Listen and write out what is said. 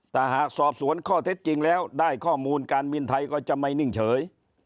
แต่หากสอบสวนข้อเท็จจริงแล้วได้ข้อมูลการบินไทยก็จะไม่นิ่งเฉย